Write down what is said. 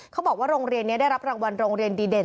เขาบอกว่าโรงเรียนนี้ได้รับรางวัลโรงเรียนดีเด่น